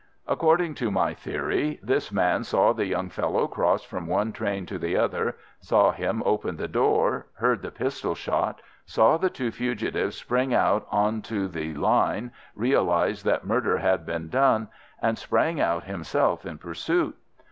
According to my theory, this man saw the young fellow cross from one train to the other, saw him open the door, heard the pistol shot, saw the two fugitives spring out on to the line, realized that murder had been done, and sprang out himself in pursuit.